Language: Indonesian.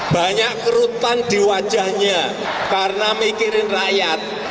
banyak kerutan di wajahnya karena mikirin rakyat